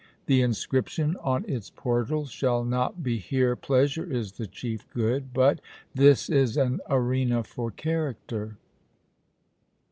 The inscription on its portals shall not be, 'Here pleasure is the chief good,' but 'This is an arena for character.'